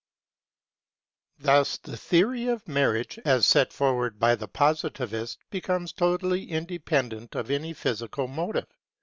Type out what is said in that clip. Thus the theory of marriage, as set forward by the Positivist, becomes totally independent of any physical motive.